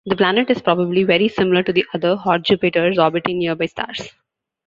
The planet is probably very similar to the other "hot Jupiters" orbiting nearby stars.